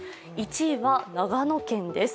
１位は長野県です。